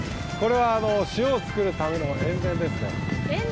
これは塩を作るための塩田ですね。